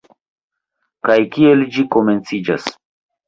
Kaj kiel ĝi komenciĝas?